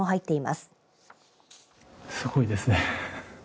すごいですね。